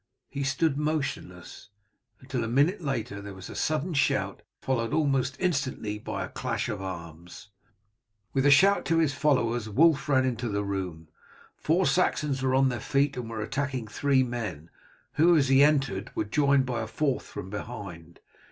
He stood motionless, until a minute later there was a sudden shout, followed almost instantly by a clash of arms. With a shout to his followers Wulf ran into the room. The four Saxons were on their feet, and were attacking three men, who, as he entered, were joined by a fourth from behind.